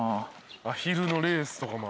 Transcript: アヒルのレースとかもある。